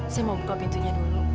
saya mau buka pintunya dulu